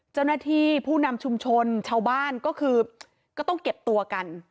เจ้าหน้าที่ผู้นำชุมชนชาวบ้านก็คือก็ต้องเก็บตัวกัน